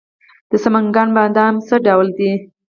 د سمنګان بادام څه ډول دي؟